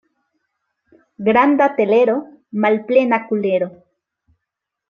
Granda telero, malplena kulero.